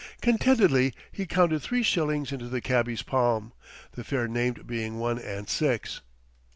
Contentedly he counted three shillings into the cabby's palm the fare named being one and six.